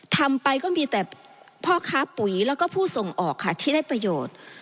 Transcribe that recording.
ทำไปก็มีแต่พ่อค้าปุ๋ยแล้วก็ผู้ส่งออกค่ะที่ได้ประโยชน์